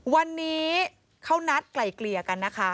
วันนี้เขานัดไกล่เกลี่ยกันนะคะ